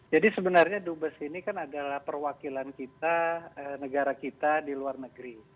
jadi sebenarnya dubes ini kan adalah perwakilan kita negara kita di luar negeri